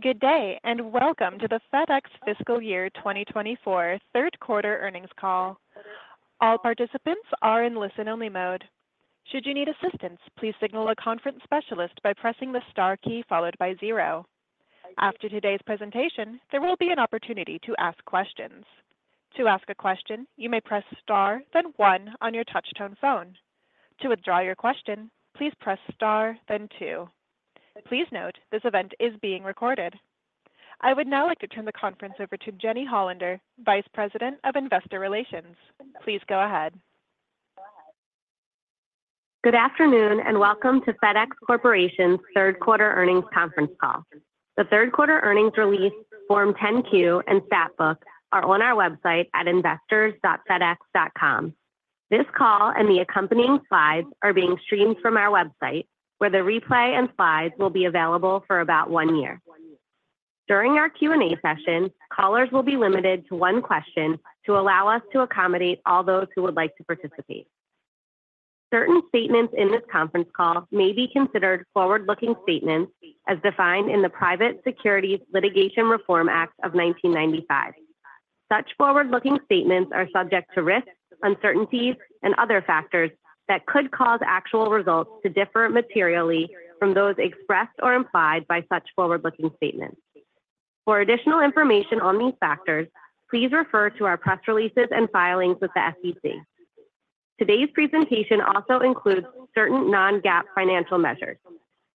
Good day and welcome to the FedEx fiscal year 2024 third quarter earnings call. All participants are in listen-only mode. Should you need assistance please signal a conference specialist by pressing the star key followed by zero. After today's presentation there will be an opportunity to ask questions. To ask a question you may press star then one on your touch tone phone. To withdraw your question please press star then two. Please note this event is being recorded. I would now like to turn the conference over to Jennifer Hollander Vice President of Investor Relations. Please go ahead. Good afternoon and welcome to FedEx Corporation's third quarter earnings conference call. The third quarter earnings release Form 10-Q and Stat Book are on our website at investors.fedex.com. This call and the accompanying slides are being streamed from our website where the replay and slides will be available for about one year. During our Q&A session callers will be limited to one question to allow us to accommodate all those who would like to participate. Certain statements in this conference call may be considered forward-looking statements as defined in the Private Securities Litigation Reform Act of 1995. Such forward-looking statements are subject to risks uncertainties and other factors that could cause actual results to differ materially from those expressed or implied by such forward-looking statements. For additional information on these factors please refer to our press releases and filings with the SEC. Today's presentation also includes certain non-GAAP financial measures.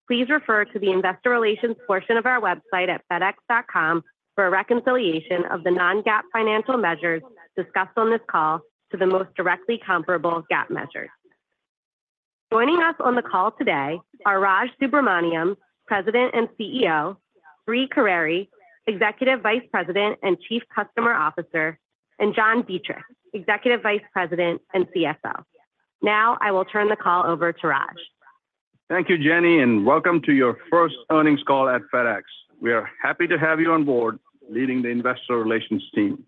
Please refer to the investor relations portion of our website at fedex.com for a reconciliation of the non-GAAP financial measures discussed on this call to the most directly comparable GAAP measures. Joining us on the call today are Raj Subramaniam, President and CEO; Brie Carere, Executive Vice President and Chief Customer Officer; and John Dietrich, Executive Vice President and CFO. Now I will turn the call over to Raj. Thank you, Jennifer, and welcome to your first earnings call at FedEx. We are happy to have you on board leading the investor relations team.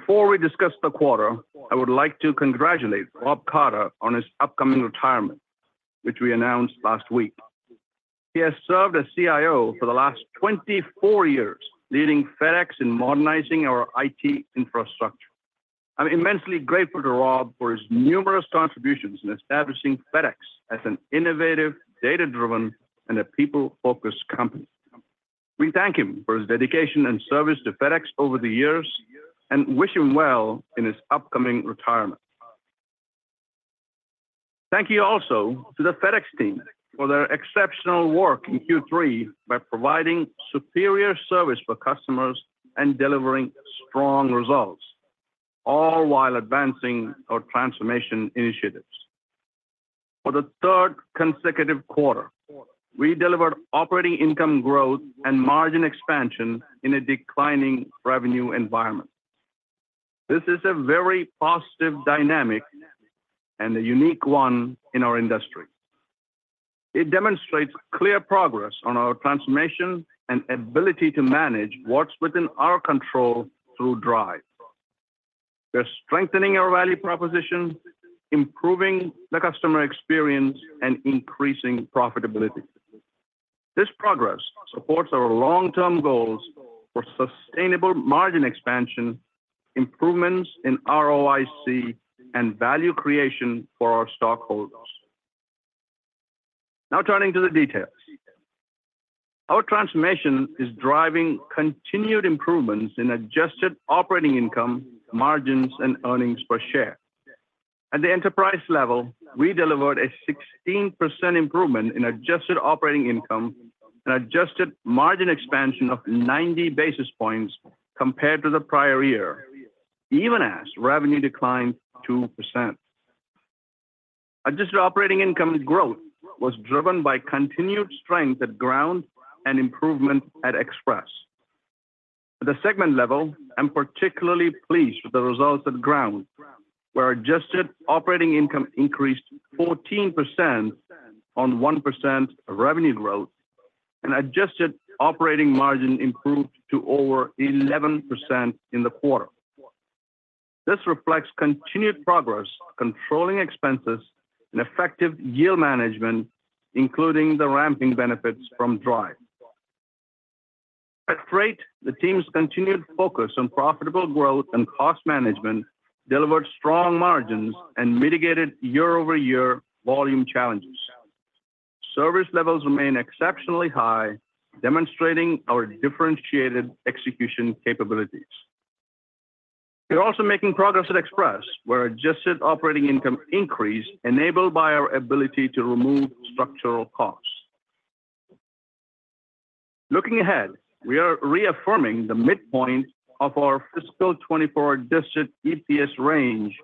Before we discuss the quarter, I would like to congratulate Rob Carter on his upcoming retirement, which we announced last week. He has served as CIO for the last 24 years leading FedEx in modernizing our IT infrastructure. I'm immensely grateful to Rob for his numerous contributions in establishing FedEx as an innovative data-driven and a people-focused company. We thank him for his dedication and service to FedEx over the years and wish him well in his upcoming retirement. Thank you also to the FedEx team for their exceptional work in Q3 by providing superior service for customers and delivering strong results all while advancing our transformation initiatives. For the third consecutive quarter we delivered operating income growth and margin expansion in a declining revenue environment. This is a very positive dynamic and a unique one in our industry. It demonstrates clear progress on our transformation and ability to manage what's within our control through DRIVE. We're strengthening our value proposition, improving the customer experience, and increasing profitability. This progress supports our long-term goals for sustainable margin expansion, improvements in ROIC, and value creation for our stockholders. Now turning to the details. Our transformation is driving continued improvements in adjusted operating income margins and earnings per share. At the enterprise level we delivered a 16% improvement in adjusted operating income and adjusted margin expansion of 90 basis points compared to the prior year even as revenue declined 2%. Adjusted operating income growth was driven by continued strength at Ground and improvement at Express. At the segment level, I'm particularly pleased with the results at Ground, where adjusted operating income increased 14% on 1% revenue growth and adjusted operating margin improved to over 11% in the quarter. This reflects continued progress controlling expenses and effective yield management, including the ramping benefits from DRIVE. At Freight, the team's continued focus on profitable growth and cost management delivered strong margins and mitigated year-over-year volume challenges. Service levels remain exceptionally high, demonstrating our differentiated execution capabilities. We're also making progress at Express, where adjusted operating income increased, enabled by our ability to remove structural costs. Looking ahead, we are reaffirming the midpoint of our fiscal 2024 diluted EPS range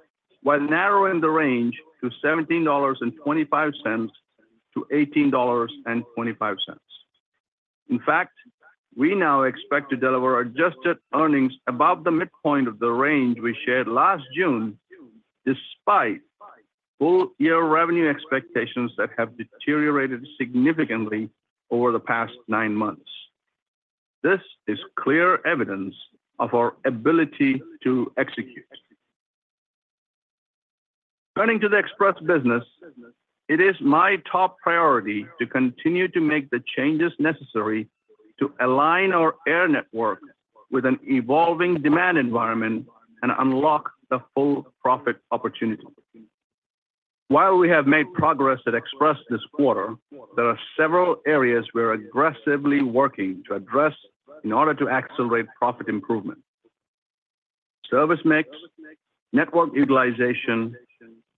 while narrowing the range to $17.25-$18.25. In fact, we now expect to deliver adjusted earnings above the midpoint of the range we shared last June despite full year revenue expectations that have deteriorated significantly over the past 9 months. This is clear evidence of our ability to execute. Turning to the express business, it is my top priority to continue to make the changes necessary to align our air network with an evolving demand environment and unlock the full profit opportunity. While we have made progress at express this quarter, there are several areas we're aggressively working to address in order to accelerate profit improvement: service mix, network utilization,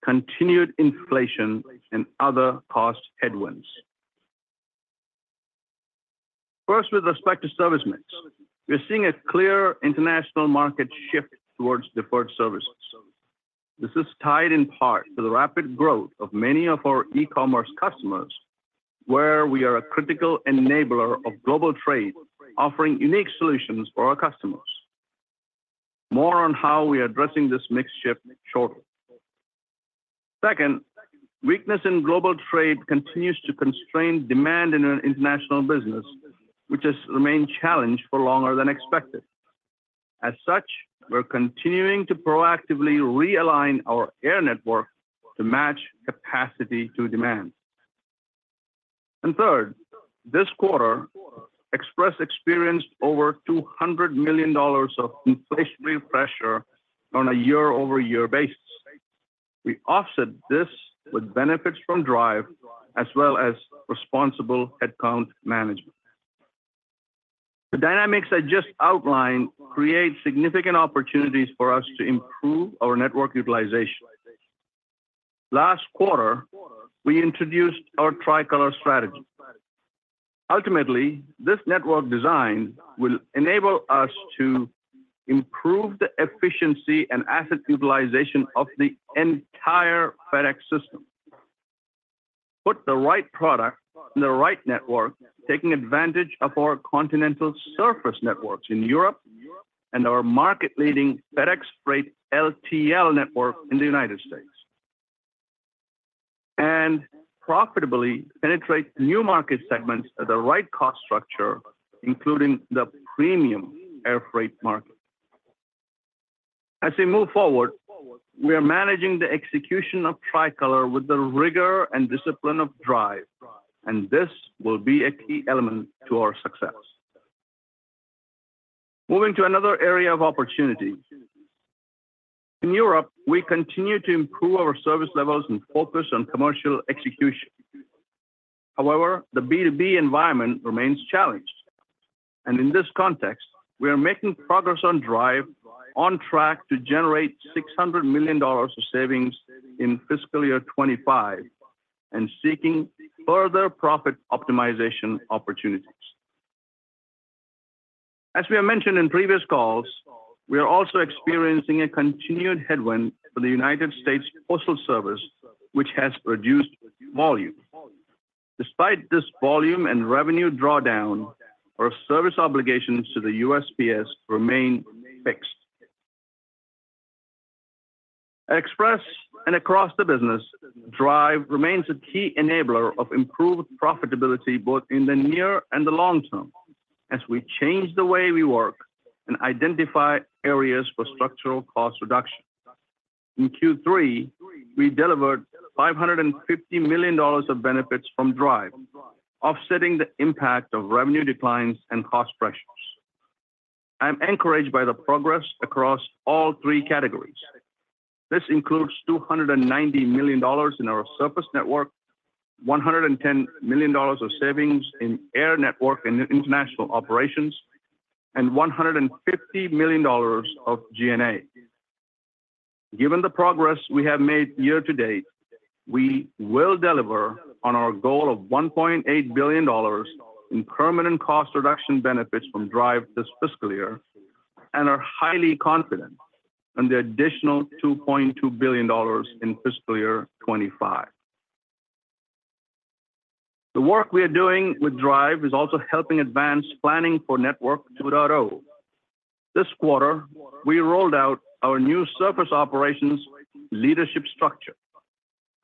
continued inflation, and other cost headwinds. First, with respect to service mix, we're seeing a clear international market shift towards deferred services. This is tied in part to the rapid growth of many of our e-commerce customers where we are a critical enabler of global trade offering unique solutions for our customers. More on how we're addressing this mix shift shortly. Second, weakness in global trade continues to constrain demand in our international business which has remained challenged for longer than expected. As such, we're continuing to proactively realign our air network to match capacity to demand. And third, this quarter Express experienced over $200 million of inflationary pressure on a year-over-year basis. We offset this with benefits from DRIVE as well as responsible headcount management. The dynamics I just outlined create significant opportunities for us to improve our network utilization. Last quarter we introduced our Tricolor strategy. Ultimately this network design will enable us to improve the efficiency and asset utilization of the entire FedEx system. Put the right product in the right network taking advantage of our continental surface networks in Europe and our market-leading FedEx Freight LTL network in the United States. Profitably penetrate new market segments at the right cost structure including the premium air freight market. As we move forward we are managing the execution of Tricolor with the rigor and discipline of DRIVE and this will be a key element to our success. Moving to another area of opportunity. In Europe we continue to improve our service levels and focus on commercial execution. However the B2B environment remains challenged and in this context we are making progress on DRIVE on track to generate $600 million of savings in fiscal year 2025 and seeking further profit optimization opportunities. As we have mentioned in previous calls, we are also experiencing a continued headwind for the United States Postal Service which has reduced volume. Despite this volume and revenue drawdown, our service obligations to the USPS remain fixed. At Express and across the business DRIVE remains a key enabler of improved profitability both in the near and the long term as we change the way we work and identify areas for structural cost reduction. In Q3 we delivered $550 million of benefits from DRIVE offsetting the impact of revenue declines and cost pressures. I'm encouraged by the progress across all three categories. This includes $290 million in our surface network $110 million of savings in air network and international operations and $150 million of G&A. Given the progress we have made year to date, we will deliver on our goal of $1.8 billion in permanent cost reduction benefits from DRIVE this fiscal year and are highly confident in the additional $2.2 billion in fiscal year 2025. The work we are doing with DRIVE is also helping advance planning for Network 2.0. This quarter we rolled out our new surface operations leadership structure.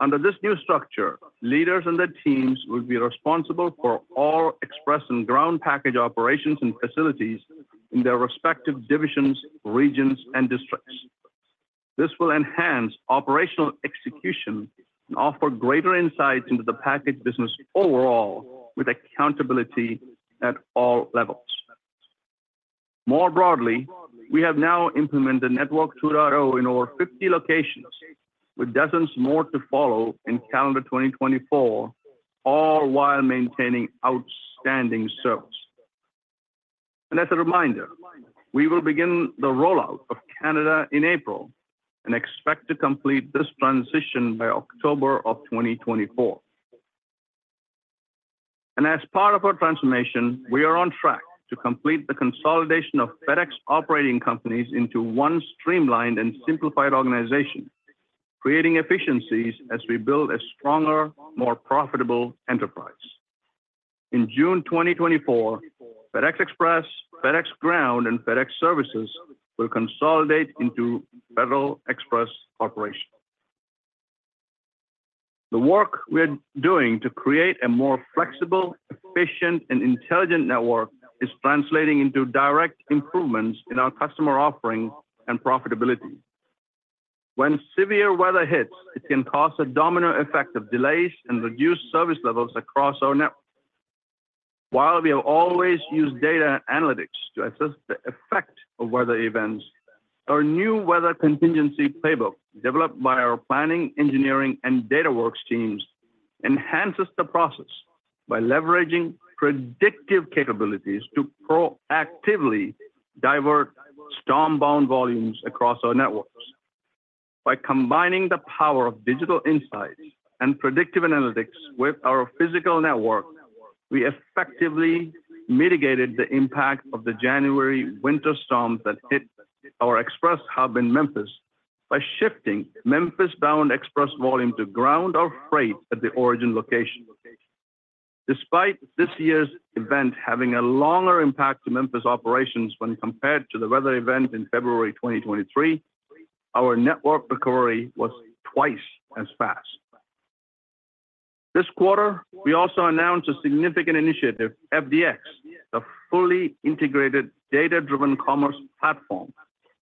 Under this new structure leaders and their teams will be responsible for all express and ground package operations and facilities in their respective divisions, regions, and districts. This will enhance operational execution and offer greater insights into the package business overall with accountability at all levels. More broadly we have now implemented Network 2.0 in over 50 locations with dozens more to follow in calendar 2024, all while maintaining outstanding service. As a reminder we will begin the rollout of Canada in April and expect to complete this transition by October 2024. As part of our transformation we are on track to complete the consolidation of FedEx operating companies into one streamlined and simplified organization creating efficiencies as we build a stronger more profitable enterprise. In June 2024 FedEx Express FedEx Ground and FedEx Services will consolidate into Federal Express Corporation. The work we are doing to create a more flexible efficient and intelligent network is translating into direct improvements in our customer offering and profitability. When severe weather hits it can cause a domino effect of delays and reduced service levels across our network. While we have always used data analytics to assess the effect of weather events, our new weather contingency playbook developed by our planning engineering and Dataworks teams enhances the process by leveraging predictive capabilities to proactively divert storm-bound volumes across our networks. By combining the power of digital insights and predictive analytics with our physical network, we effectively mitigated the impact of the January winter storms that hit our express hub in Memphis by shifting Memphis-bound express volume to Ground, our Freight, at the origin location. Despite this year's event having a longer impact to Memphis operations when compared to the weather event in February 2023, our network recovery was twice as fast. This quarter we also announced a significant initiative, FDX, the fully integrated data-driven commerce platform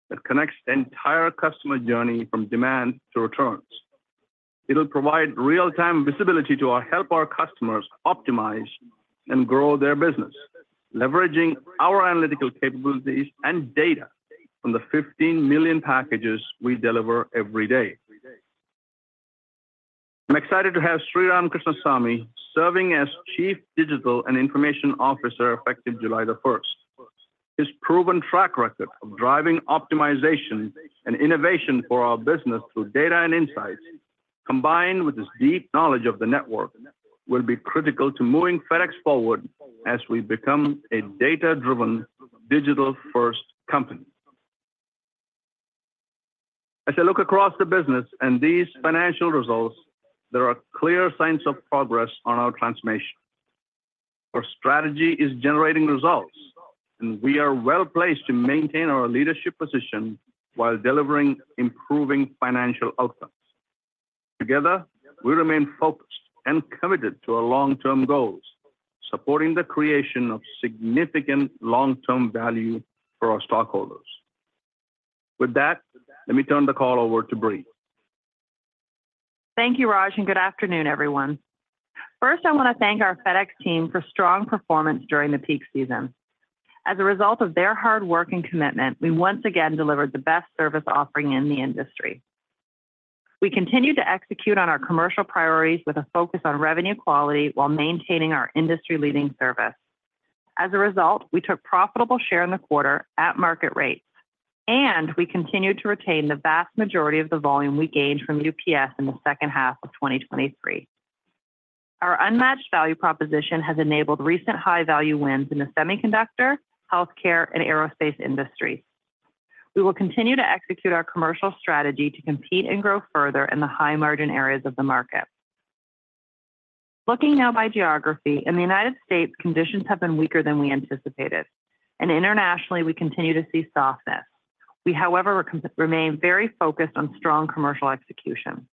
that connects the entire customer journey from demand to returns. It'll provide real-time visibility to help our customers optimize and grow their business leveraging our analytical capabilities and data from the 15 million packages we deliver every day. I'm excited to have Sriram Krishnasamy serving as Chief Digital and Information Officer effective July 1. His proven track record of driving optimization and innovation for our business through data and insights combined with his deep knowledge of the network will be critical to moving FedEx forward as we become a data-driven digital first company. As I look across the business and these financial results there are clear signs of progress on our transformation. Our strategy is generating results and we are well placed to maintain our leadership position while delivering improving financial outcomes. Together we remain focused and committed to our long-term goals supporting the creation of significant long-term value for our stockholders. With that let me turn the call over to Brie. Thank you Raj and good afternoon everyone. First I want to thank our FedEx team for strong performance during the peak season. As a result of their hard work and commitment we once again delivered the best service offering in the industry. We continue to execute on our commercial priorities with a focus on revenue quality while maintaining our industry-leading service. As a result we took profitable share in the quarter at market rates and we continue to retain the vast majority of the volume we gained from UPS in the second half of 2023. Our unmatched value proposition has enabled recent high value wins in the semiconductor health care and aerospace industries. We will continue to execute our commercial strategy to compete and grow further in the high margin areas of the market. Looking now by geography in the United States conditions have been weaker than we anticipated and internationally we continue to see softness. We however remain very focused on strong commercial execution.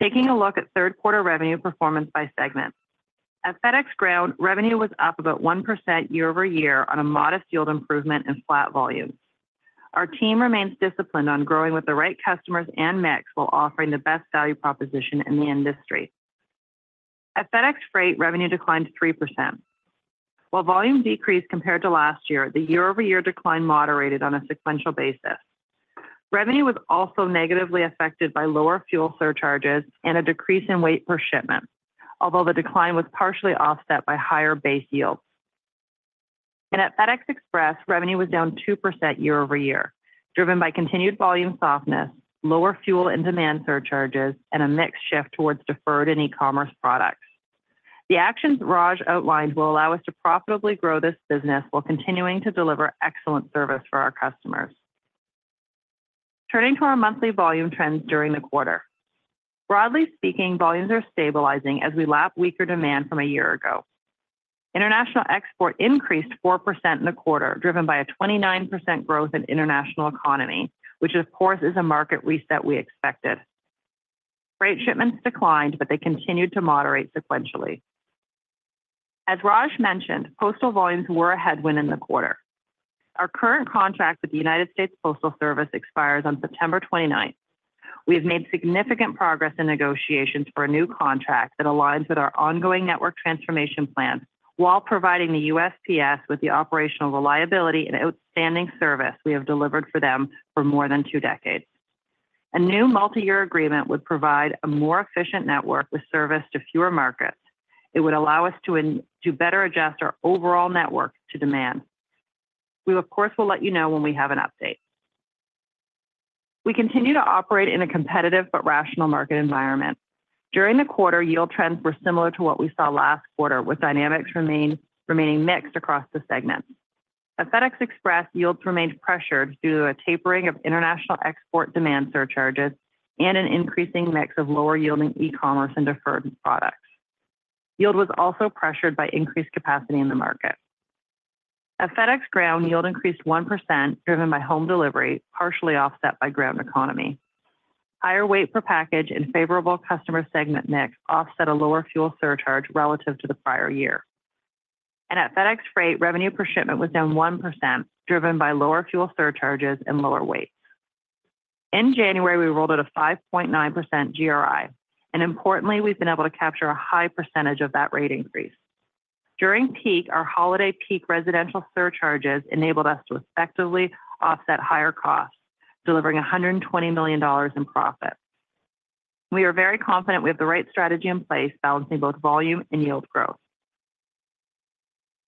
Taking a look at third quarter revenue performance by segment. At FedEx Ground revenue was up about 1% year-over-year on a modest yield improvement and flat volumes. Our team remains disciplined on growing with the right customers and mix while offering the best value proposition in the industry. At FedEx Freight revenue declined 3%. While volume decreased compared to last year the year-over-year decline moderated on a sequential basis. Revenue was also negatively affected by lower fuel surcharges and a decrease in weight per shipment although the decline was partially offset by higher base yields. At FedEx Express revenue was down 2% year-over-year driven by continued volume softness, lower fuel and demand surcharges, and a mix shift towards deferred and e-commerce products. The actions Raj outlined will allow us to profitably grow this business while continuing to deliver excellent service for our customers. Turning to our monthly volume trends during the quarter. Broadly speaking volumes are stabilizing as we lap weaker demand from a year ago. International export increased 4% in the quarter driven by a 29% growth in international economy which of course is a market reset we expected. Freight shipments declined but they continued to moderate sequentially. As Raj mentioned postal volumes were a headwind in the quarter. Our current contract with the United States Postal Service expires on September twenty-ninth. We have made significant progress in negotiations for a new contract that aligns with our ongoing network transformation plans while providing the USPS with the operational reliability and outstanding service we have delivered for them for more than two decades. A new multi-year agreement would provide a more efficient network with service to fewer markets. It would allow us to do better adjust our overall network to demand. We of course will let you know when we have an update. We continue to operate in a competitive but rational market environment. During the quarter yield trends were similar to what we saw last quarter with dynamics remaining mixed across the segments. At FedEx Express yields remained pressured due to a tapering of international export demand surcharges and an increasing mix of lower yielding e-commerce and deferred products. Yield was also pressured by increased capacity in the market. At FedEx Ground yield increased 1% driven by home delivery partially offset by Ground Economy. Higher weight per package and favorable customer segment mix offset a lower fuel surcharge relative to the prior year. At FedEx Freight revenue per shipment was down 1% driven by lower fuel surcharges and lower weights. In January we rolled out a 5.9% GRI and importantly we've been able to capture a high percentage of that rate increase. During peak our holiday peak residential surcharges enabled us to effectively offset higher costs delivering $120 million in profit. We are very confident we have the right strategy in place balancing both volume and yield growth.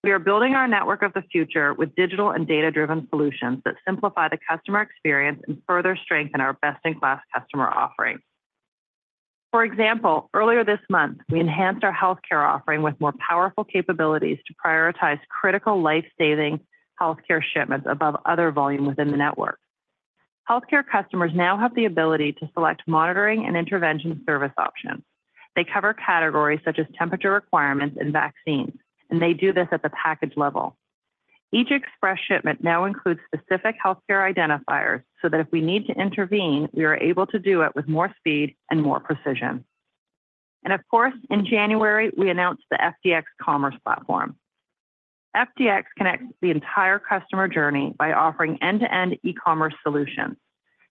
We are building our network of the future with digital and data-driven solutions that simplify the customer experience and further strengthen our best-in-class customer offering. For example, earlier this month we enhanced our health care offering with more powerful capabilities to prioritize critical life-saving health care shipments above other volume within the network. Health care customers now have the ability to select monitoring and intervention service options. They cover categories such as temperature requirements and vaccines and they do this at the package level. Each express shipment now includes specific health care identifiers so that if we need to intervene we are able to do it with more speed and more precision. Of course, in January we announced the FDX commerce platform. FDX connects the entire customer journey by offering end-to-end e-commerce solutions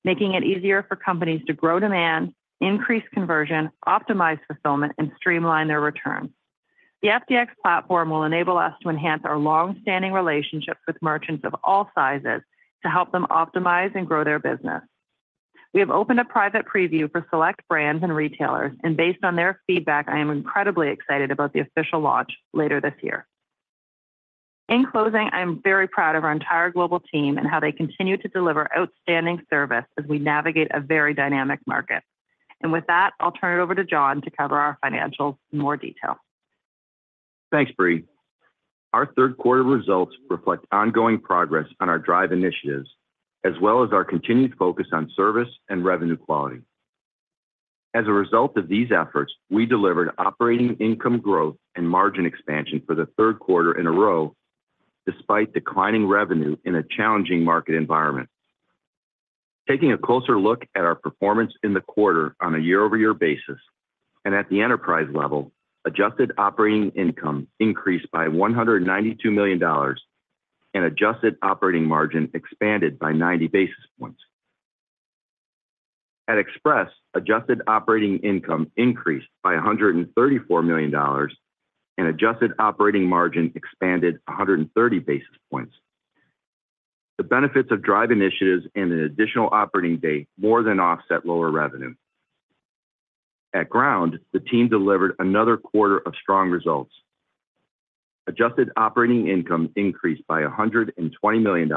making it easier for companies to grow demand, increase conversion, optimize fulfillment and streamline their returns. The FDX platform will enable us to enhance our long-standing relationships with merchants of all sizes to help them optimize and grow their business. We have opened a private preview for select brands and retailers and based on their feedback I am incredibly excited about the official launch later this year. In closing I'm very proud of our entire global team and how they continue to deliver outstanding service as we navigate a very dynamic market. And with that I'll turn it over to John to cover our financials in more detail. Thanks Brie. Our third quarter results reflect ongoing progress on our drive initiatives as well as our continued focus on service and revenue quality. As a result of these efforts we delivered operating income growth and margin expansion for the third quarter in a row despite declining revenue in a challenging market environment. Taking a closer look at our performance in the quarter on a year-over-year basis and at the enterprise level adjusted operating income increased by $192 million and adjusted operating margin expanded by 90 basis points. At Express adjusted operating income increased by $134 million and adjusted operating margin expanded 130 basis points. The benefits of drive initiatives and an additional operating day more than offset lower revenue. At Ground the team delivered another quarter of strong results. Adjusted operating income increased by $120 million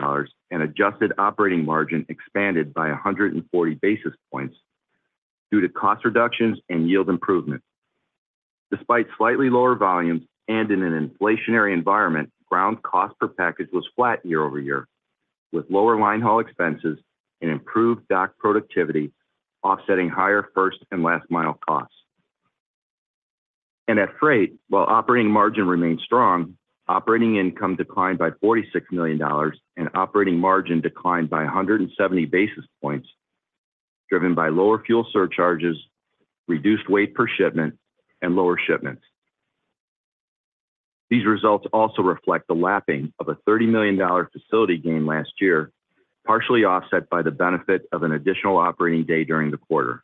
and adjusted operating margin expanded by 140 basis points due to cost reductions and yield improvements. Despite slightly lower volumes and in an inflationary environment Ground cost per package was flat year-over-year with lower line haul expenses and improved dock productivity offsetting higher first and last mile costs. At Freight while operating margin remained strong operating income declined by $46 million and operating margin declined by 170 basis points driven by lower fuel surcharges reduced weight per shipment and lower shipments. These results also reflect the lapping of a $30 million facility gain last year partially offset by the benefit of an additional operating day during the quarter.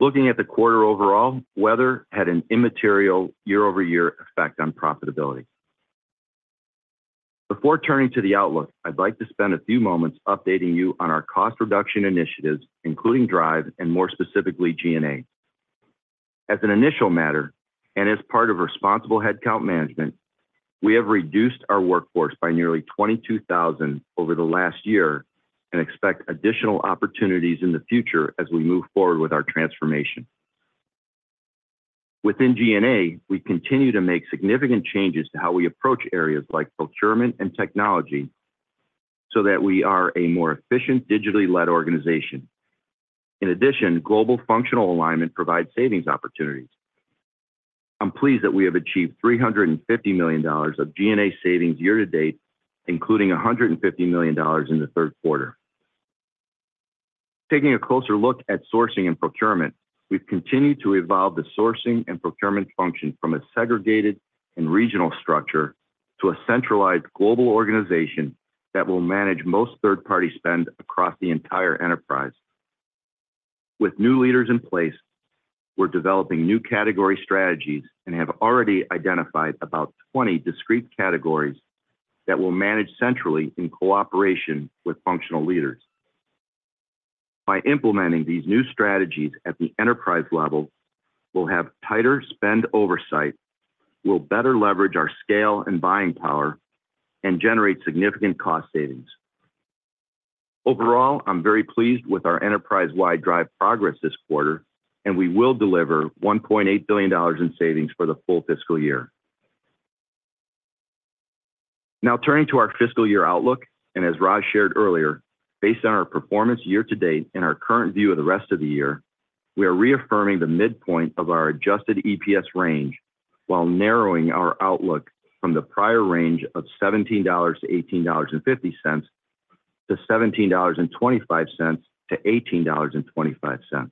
Looking at the quarter overall weather had an immaterial year-over-year effect on profitability. Before turning to the outlook, I'd like to spend a few moments updating you on our cost reduction initiatives including DRIVE and more specifically G&A. As an initial matter and as part of responsible headcount management, we have reduced our workforce by nearly 22,000 over the last year and expect additional opportunities in the future as we move forward with our transformation. Within G&A, we continue to make significant changes to how we approach areas like procurement and technology so that we are a more efficient digitally led organization. In addition, global functional alignment provides savings opportunities. I'm pleased that we have achieved $350 million of G&A savings year to date, including $150 million in the third quarter. Taking a closer look at sourcing and procurement, we've continued to evolve the sourcing and procurement function from a segregated and regional structure to a centralized global organization that will manage most third-party spend across the entire enterprise. With new leaders in place, we're developing new category strategies and have already identified about 20 discrete categories that will manage centrally in cooperation with functional leaders. By implementing these new strategies at the enterprise level, we'll have tighter spend oversight, we'll better leverage our scale and buying power, and generate significant cost savings. Overall, I'm very pleased with our enterprise-wide DRIVE progress this quarter, and we will deliver $1.8 billion in savings for the full fiscal year. Now turning to our fiscal year outlook and as Raj shared earlier based on our performance year to date and our current view of the rest of the year we are reaffirming the midpoint of our adjusted EPS range while narrowing our outlook from the prior range of $17-$18.50 to $17.25-$18.25.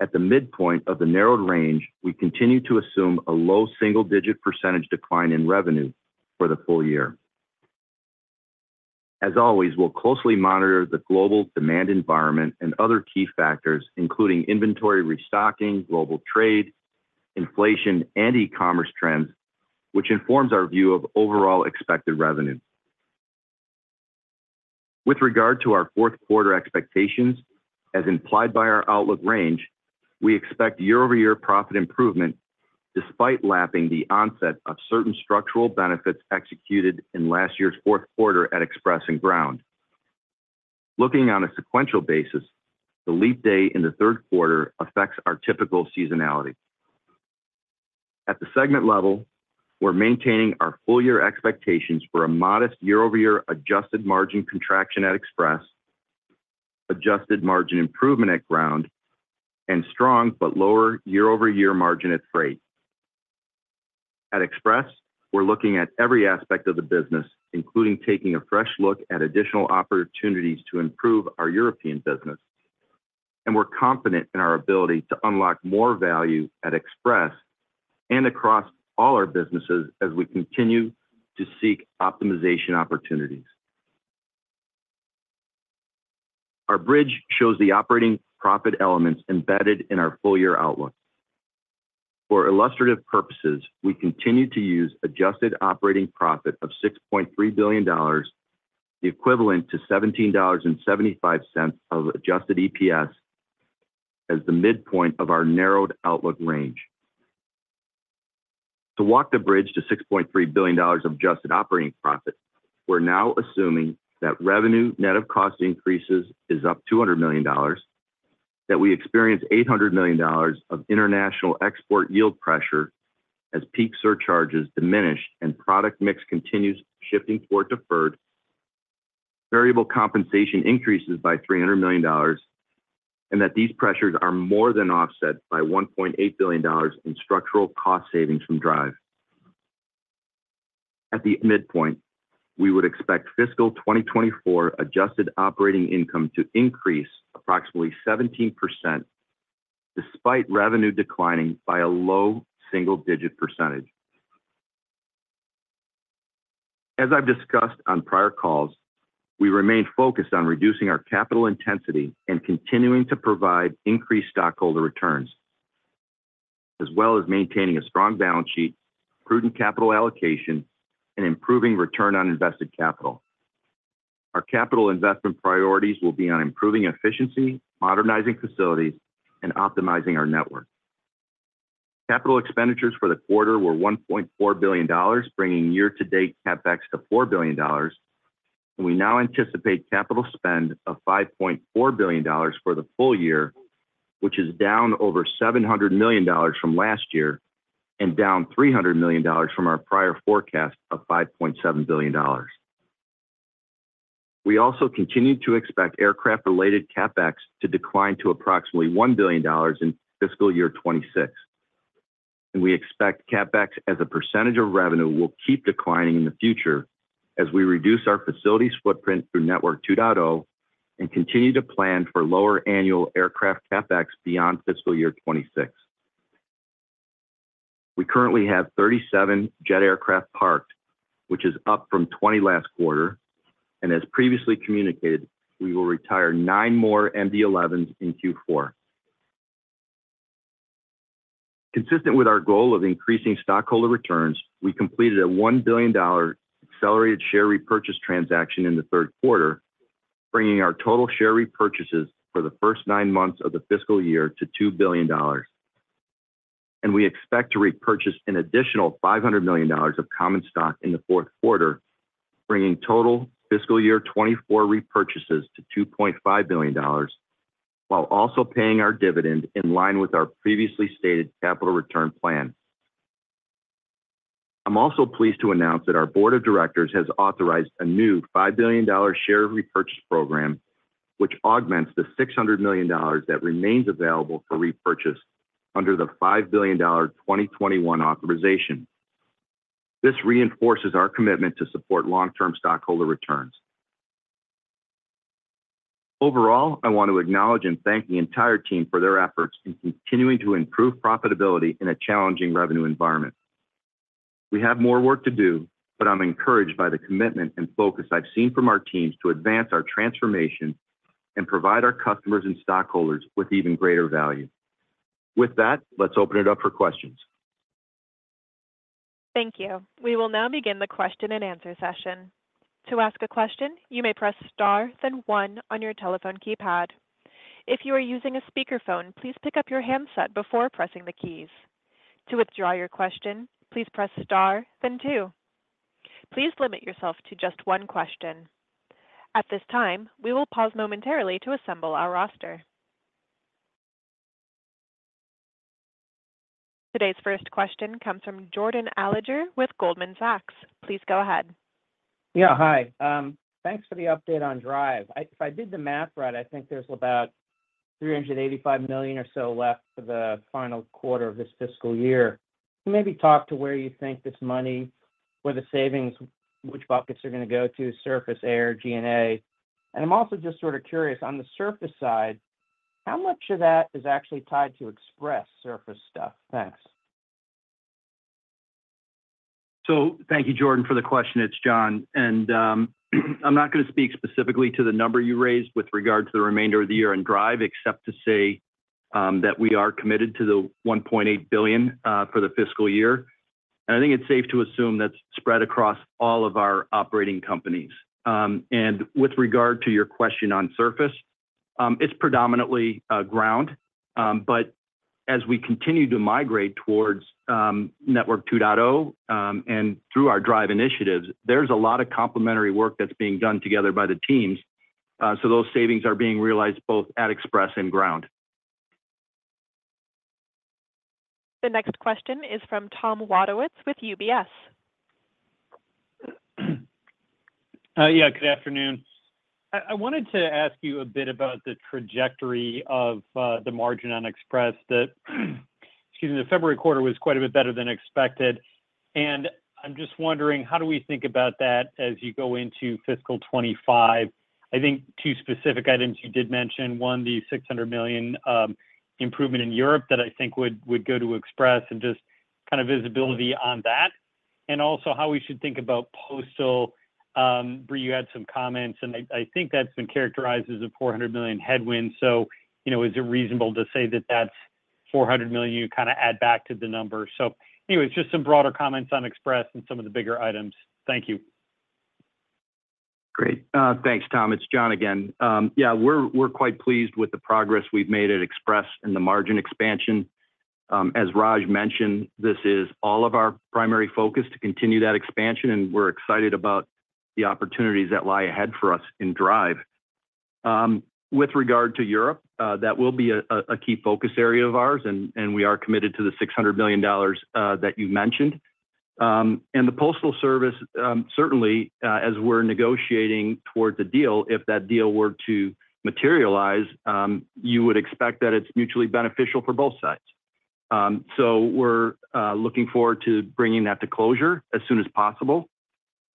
At the midpoint of the narrowed range we continue to assume a low single digit percentage decline in revenue for the full year. As always we'll closely monitor the global demand environment and other key factors including inventory restocking global trade inflation and e-commerce trends which informs our view of overall expected revenue. With regard to our fourth quarter expectations, as implied by our outlook range, we expect year-over-year profit improvement despite lapping the onset of certain structural benefits executed in last year's fourth quarter at Express and Ground. Looking on a sequential basis, the leap day in the third quarter affects our typical seasonality. At the segment level, we're maintaining our full year expectations for a modest year-over-year adjusted margin contraction at Express, adjusted margin improvement at Ground, and strong but lower year-over-year margin at Freight. At Express, we're looking at every aspect of the business, including taking a fresh look at additional opportunities to improve our European business, and we're confident in our ability to unlock more value at Express and across all our businesses as we continue to seek optimization opportunities. Our bridge shows the operating profit elements embedded in our full year outlook. For illustrative purposes we continue to use adjusted operating profit of $6.3 billion the equivalent to $17.75 of adjusted EPS as the midpoint of our narrowed outlook range. To walk the bridge to $6.3 billion of adjusted operating profit we're now assuming that revenue net of cost increases is up $200 million that we experience $800 million of international export yield pressure as peak surcharges diminish and product mix continues shifting toward deferred variable compensation increases by $300 million and that these pressures are more than offset by $1.8 billion in structural cost savings from drive. At the midpoint we would expect fiscal 2024 adjusted operating income to increase approximately 17% despite revenue declining by a low single-digit percentage. As I've discussed on prior calls, we remain focused on reducing our capital intensity and continuing to provide increased stockholder returns as well as maintaining a strong balance sheet, prudent capital allocation, and improving return on invested capital. Our capital investment priorities will be on improving efficiency, modernizing facilities, and optimizing our network. Capital expenditures for the quarter were $1.4 billion, bringing year-to-date CapEx to $4 billion, and we now anticipate capital spend of $5.4 billion for the full year, which is down over $700 million from last year and down $300 million from our prior forecast of $5.7 billion. We also continue to expect aircraft-related CapEx to decline to approximately $1 billion in fiscal year 2026. We expect CapEx as a percentage of revenue will keep declining in the future as we reduce our facility footprint through Network 2.0 and continue to plan for lower annual aircraft CapEx beyond fiscal year 2026. We currently have 37 jet aircraft parked which is up from 20 last quarter and as previously communicated we will retire 9 more MD-11s in Q4. Consistent with our goal of increasing stockholder returns we completed a $1 billion accelerated share repurchase transaction in the third quarter bringing our total share repurchases for the first nine months of the fiscal year to $2 billion. We expect to repurchase an additional $500 million of common stock in the fourth quarter, bringing total fiscal year 2024 repurchases to $2.5 billion while also paying our dividend in line with our previously stated capital return plan. I'm also pleased to announce that our board of directors has authorized a new $5 billion share repurchase program, which augments the $600 million that remains available for repurchase under the $5 billion 2021 authorization. This reinforces our commitment to support long-term stockholder returns. Overall, I want to acknowledge and thank the entire team for their efforts in continuing to improve profitability in a challenging revenue environment. We have more work to do, but I'm encouraged by the commitment and focus I've seen from our teams to advance our transformation and provide our customers and stockholders with even greater value. With that, let's open it up for questions. Thank you. We will now begin the question and answer session. To ask a question you may press star then one on your telephone keypad. If you are using a speakerphone please pick up your handset before pressing the keys. To withdraw your question please press star then two. Please limit yourself to just one question. At this time we will pause momentarily to assemble our roster. Today's first question comes from Jordan Alliger with Goldman Sachs. Please go ahead. Yeah, hi. Thanks for the update on DRIVE. If I did the math right, I think there's about $385 million or so left for the final quarter of this fiscal year. You maybe talk to where you think this money—where the savings—which buckets are gonna go to: surface, air, G&A. And I'm also just sort of curious on the surface side how much of that is actually tied to Express surface stuff? Thanks. So thank you, Jordan, for the question. It's John. And I'm not gonna speak specifically to the number you raised with regard to the remainder of the year on drive except to say that we are committed to the $1.8 billion for the fiscal year. And I think it's safe to assume that's spread across all of our operating companies. And with regard to your question on surface it's predominantly Ground but as we continue to migrate towards Network 2.0 and through our drive initiatives there's a lot of complementary work that's being done together by the teams. So those savings are being realized both at Express and Ground. The next question is from Tom Wadewitz with UBS. Yeah, good afternoon. I wanted to ask you a bit about the trajectory of the margin on Express. That—excuse me—the February quarter was quite a bit better than expected. I'm just wondering how do we think about that as you go into fiscal 2025. I think two specific items you did mention. One, the $600 million improvement in Europe that I think would go to Express and just kind of visibility on that. And also how we should think about postal. Brie, you had some comments and I think that's been characterized as a $400 million headwind so you know is it reasonable to say that that's $400 million you kind of add back to the number. So anyways just some broader comments on Express and some of the bigger items. Thank you. Great. Thanks, Tom. It's John again. Yeah, we're quite pleased with the progress we've made at Express and the margin expansion. As Raj mentioned, this is all of our primary focus to continue that expansion, and we're excited about the opportunities that lie ahead for us in drive. With regard to Europe, that will be a key focus area of ours, and we are committed to the $600 million that you mentioned. And the Postal Service, certainly as we're negotiating towards a deal, if that deal were to materialize, you would expect that it's mutually beneficial for both sides. So we're looking forward to bringing that to closure as soon as possible.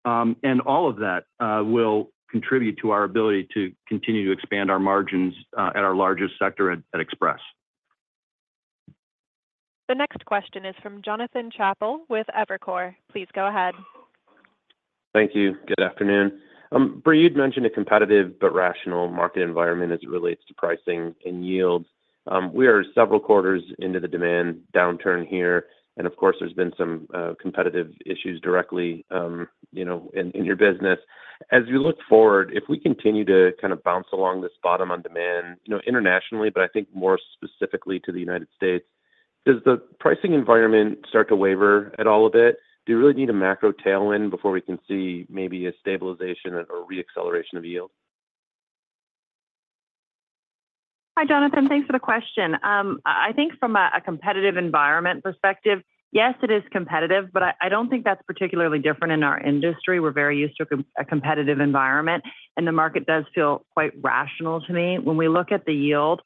And all of that will contribute to our ability to continue to expand our margins at our largest sector at Express. The next question is from Jonathan Chappell with Evercore. Please go ahead. Thank you. Good afternoon. Brie, you'd mentioned a competitive but rational market environment as it relates to pricing and yield. We are several quarters into the demand downturn here, and of course there's been some competitive issues directly, you know, in in your business. As we look forward, if we continue to kind of bounce along this bottom on demand, you know, internationally but I think more specifically to the United States, does the pricing environment start to waver at all a bit? Do we really need a macro tailwind before we can see maybe a stabilization or reacceleration of yield? Hi Jonathan. Thanks for the question. I think from a competitive environment perspective yes it is competitive but I don't think that's particularly different in our industry. We're very used to a competitive environment and the market does feel quite rational to me. When we look at the yield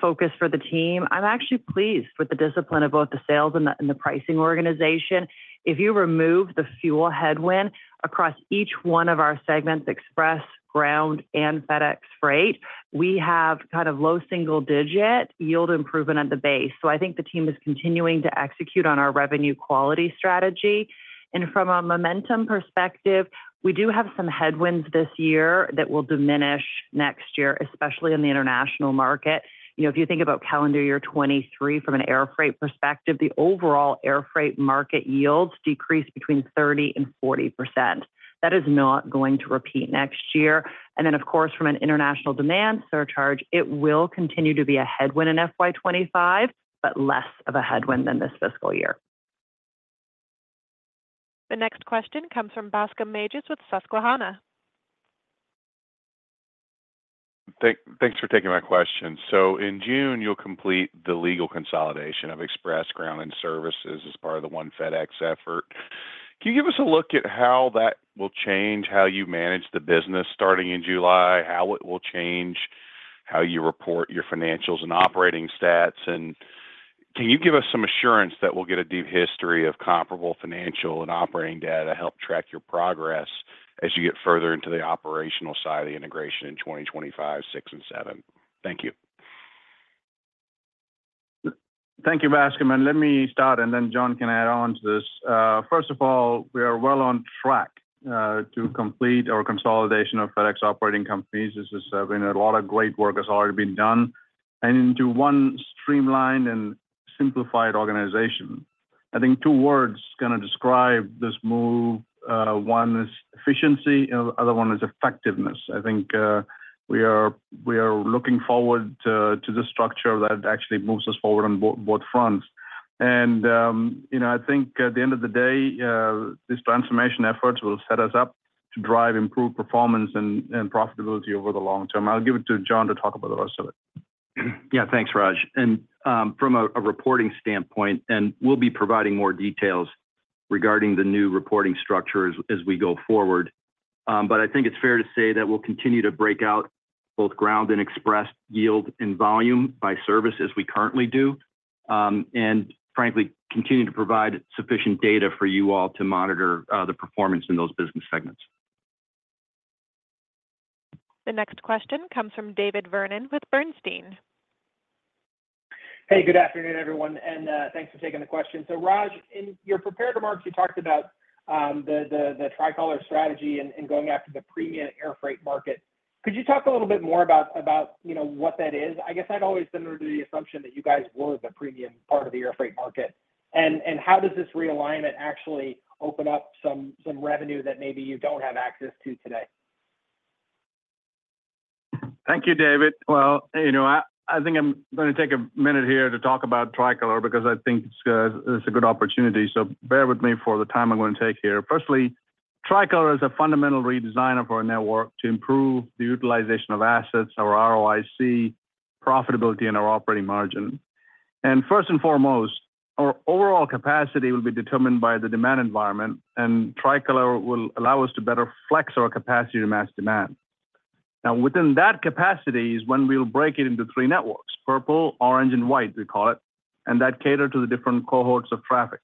focus for the team I'm actually pleased with the discipline of both the sales and the pricing organization. If you remove the fuel headwind across each one of our segments Express Ground and FedEx Freight we have kind of low single digit yield improvement at the base. So I think the team is continuing to execute on our revenue quality strategy. And from a momentum perspective we do have some headwinds this year that will diminish next year especially in the international market. You know if you think about calendar year 2023 from an air freight perspective the overall air freight market yields decrease between 30%-40%. That is not going to repeat next year. Then of course from an international demand surcharge it will continue to be a headwind in FY 2025 but less of a headwind than this fiscal year. The next question comes from Bascome Majors with Susquehanna. Thanks for taking my question. So in June you'll complete the legal consolidation of Express, Ground, and Services as part of the one FedEx effort. Can you give us a look at how that will change how you manage the business starting in July, how it will change how you report your financials and operating stats, and can you give us some assurance that we'll get a deep history of comparable financial and operating data to help track your progress as you get further into the operational side of the integration in 2025, 2026, and 2027? Thank you. Thank you, Bascome, and let me start and then John can add on to this. First of all, we are well on track to complete our consolidation of FedEx operating companies. This has been a lot of great work has already been done and into one streamlined and simplified organization. I think two words gonna describe this move. One is efficiency and the other one is effectiveness. I think we are looking forward to this structure that actually moves us forward on both fronts. And you know I think at the end of the day these transformation efforts will set us up to drive improved performance and profitability over the long term. I'll give it to John to talk about the rest of it. Yeah, thanks, Raj. From a reporting standpoint, we'll be providing more details regarding the new reporting structure as we go forward. But I think it's fair to say that we'll continue to break out both Ground and Express yield and volume by service as we currently do. And frankly continue to provide sufficient data for you all to monitor the performance in those business segments. The next question comes from David Vernon with Bernstein. Hey, good afternoon, everyone, and thanks for taking the question. So, Raj, in your prepared remarks, you talked about the Tricolor strategy and going after the premium air freight market. Could you talk a little bit more about, you know, what that is? I guess I'd always been under the assumption that you guys were the premium part of the air freight market. And how does this realignment actually open up some revenue that maybe you don't have access to today? Thank you, David. Well, you know, I think I'm gonna take a minute here to talk about Tricolor because I think it's a good opportunity, so bear with me for the time I'm gonna take here. Firstly, Tricolor is a fundamental redesigner for our network to improve the utilization of assets, our ROIC, profitability, and our operating margin. First and foremost, our overall capacity will be determined by the demand environment, and Tricolor will allow us to better flex our capacity to match demand. Now, within that capacity is when we'll break it into three networks—Purple, Orange, and White, we call it—and that cater to the different cohorts of traffic.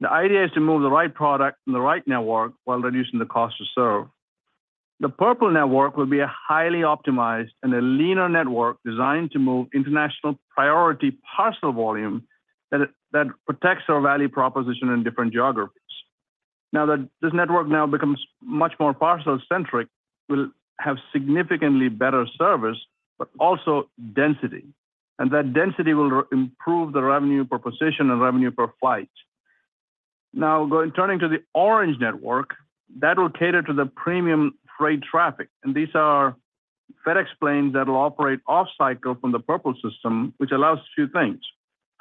The idea is to move the right product in the right network while reducing the cost to serve. The Purple network will be a highly optimized and a leaner network designed to move international priority parcel volume that protects our value proposition in different geographies. Now that this network becomes much more parcel-centric will have significantly better service but also density. And that density will improve the revenue per position and revenue per flight. Now turning to the Orange network that will cater to the premium freight traffic. And these are FedEx planes that'll operate off-cycle from the Purple system which allows a few things.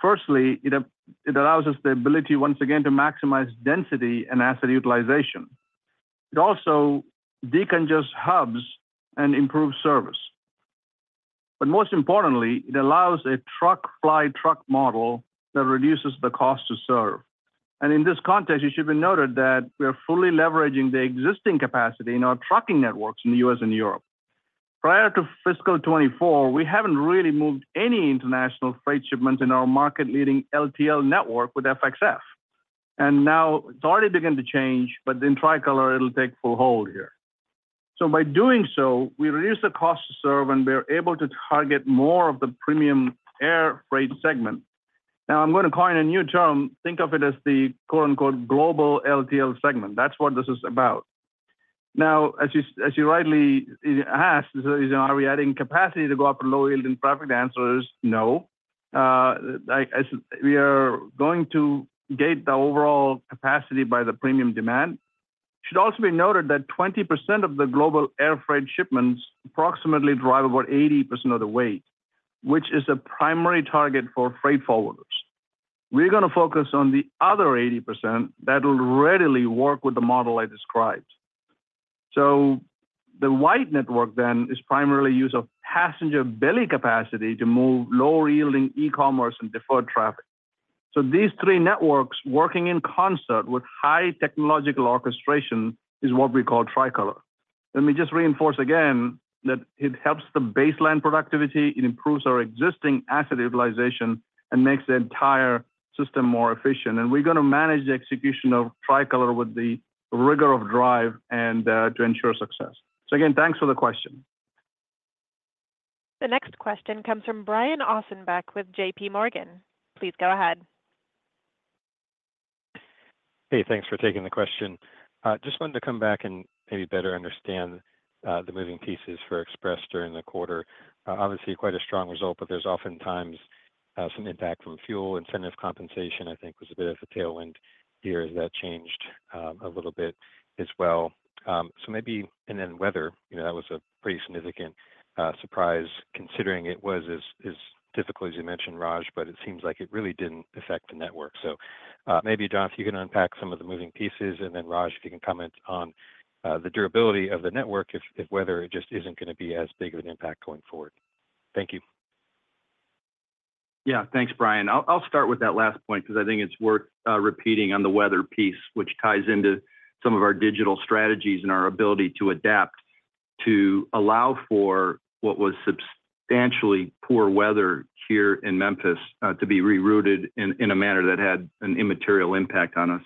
Firstly it allows us the ability once again to maximize density and asset utilization. It also decongest hubs and improve service. But most importantly it allows a truck fly truck model that reduces the cost to serve. In this context it should be noted that we are fully leveraging the existing capacity in our trucking networks in the U.S. and Europe. Prior to fiscal 2024 we haven't really moved any international freight shipments in our market-leading LTL network with FXF. Now it's already beginning to change but in Tricolor it'll take full hold here. So by doing so we reduce the cost to serve and we are able to target more of the premium air freight segment. Now I'm gonna coin a new term think of it as the “quote unquote” global LTL segment. That's what this is about. Now as you rightly asked, are we adding capacity to go after low yield and traffic densities? No. This we are going to gate the overall capacity by the premium demand. It should also be noted that 20% of the global air freight shipments approximately drive about 80% of the weight, which is a primary target for freight forwarders. We're gonna focus on the other 80% that'll readily work with the model I described. So the White network then is primarily use of passenger belly capacity to move low yielding e-commerce and deferred traffic. So these three networks working in concert with high technological orchestration is what we call Tricolor. Let me just reinforce again that it helps the baseline productivity it improves our existing asset utilization and makes the entire system more efficient. And we're gonna manage the execution of Tricolor with the rigor of DRIVE and to ensure success. So again thanks for the question. The next question comes from Brian Ossenbeck with JPMorgan. Please go ahead. Hey, thanks for taking the question. Just wanted to come back and maybe better understand the moving pieces for Express during the quarter. Obviously quite a strong result, but there's oftentimes some impact from fuel incentive compensation, I think, was a bit of a tailwind here as that changed a little bit as well. So maybe, and then weather, you know, that was a pretty significant surprise considering it was as difficult as you mentioned, Raj, but it seems like it really didn't affect the network. So maybe John if you can unpack some of the moving pieces and then Raj if you can comment on the durability of the network if weather it just isn't gonna be as big of an impact going forward. Thank you. Yeah, thanks Brian. I'll start with that last point 'cause I think it's worth repeating on the weather piece, which ties into some of our digital strategies and our ability to adapt to allow for what was substantially poor weather here in Memphis to be rerouted in a manner that had an immaterial impact on us.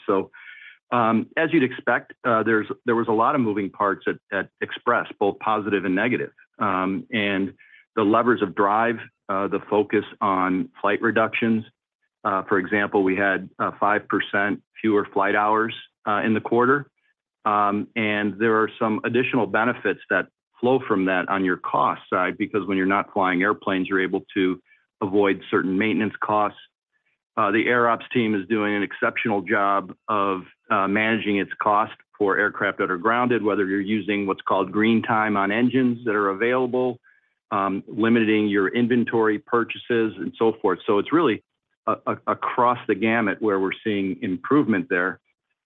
So as you'd expect, there was a lot of moving parts at Express both positive and negative. And the levers of DRIVE, the focus on flight reductions—for example, we had 5% fewer flight hours in the quarter. And there are some additional benefits that flow from that on your cost side because when you're not flying airplanes you're able to avoid certain maintenance costs. The Air Ops team is doing an exceptional job of managing its cost for aircraft that are grounded, whether you're using what's called green time on engines that are available, limiting your inventory purchases and so forth. So it's really across the gamut where we're seeing improvement there.